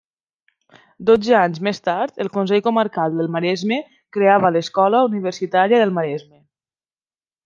Dotze anys més tard el Consell Comarcal del Maresme creava l’Escola Universitària del Maresme.